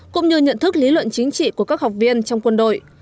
cũng như nhận thức lý luận chính trị của các học viên trong quân đội